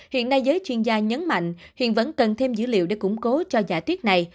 hiện nay giới chuyên gia nhấn mạnh hiện vẫn cần thêm dữ liệu để củng cố cho giả thuyết này